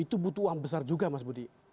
itu butuh uang besar juga mas budi